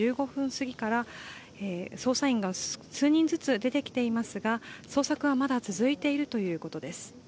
すぎから捜査員が数人ずつ出てきていますが捜索はまだ続いているということです。